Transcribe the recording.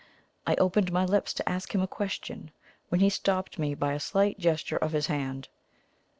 I opened my lips to ask him a question, when he stopped me by a slight gesture of his hand.